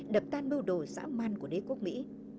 đập tan bưu đồ giã man của đế quốc mỹ